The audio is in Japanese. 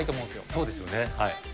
そうですね。